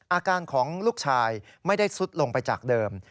อาการของลูกชายไม่ได้ซุดลงไปจากเดิม